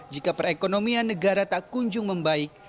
jika perekonomian negara tak kunjung membaik